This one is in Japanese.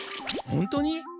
ほんとに？